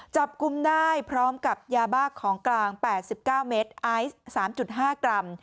จับกลุ่มได้พร้อมกับยาบ้าของกลาง๘๙เมตรไอซ์๓๕กรัม